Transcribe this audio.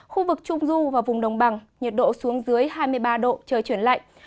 khu vực trung du và vùng đồng bằng nhiệt độ xuống dưới hai mươi ba độ trời chuyển lạnh